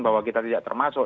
bahwa kita tidak termasuk